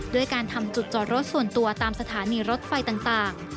ด้วยการทำจุดจอดรถส่วนตัวตามสถานีรถไฟต่าง